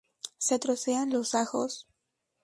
Se trocean los ajos.